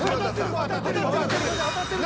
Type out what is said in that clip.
当たってる！